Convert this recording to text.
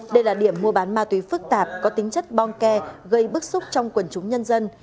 đây là điểm mua bán ma túy phức tạp có tính chất bong ke gây bức xúc trong quần chúng nhân dân